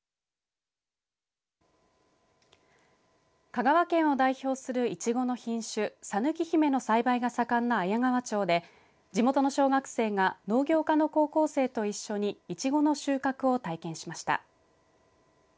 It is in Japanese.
香川県を代表するいちごの品種さぬきひめの栽培が盛んな綾川町で地元の小学生が農業科の高校生と一緒にいちごの収穫を体験しました。